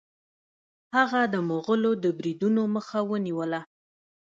هغه د مغولو د بریدونو مخه ونیوله.